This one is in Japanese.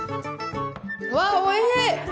うわおいしい！